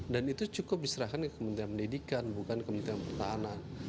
dan itu cukup diserahkan ke kementerian pendidikan bukan kementerian pertahanan